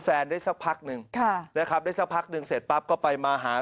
แฟนได้สักพักนึงได้ครับได้สักพักนึงเสร็จปั๊บก็ไปมาหา